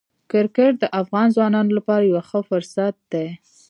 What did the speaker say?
کرکټ د افغان ځوانانو لپاره یو ښه فرصت دی.